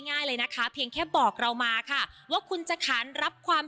ง่ายเลยนะคะเพียงแค่บอกเรามาค่ะว่าคุณจะขานรับความ